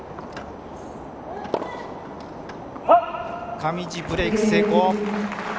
上地ブレーク成功。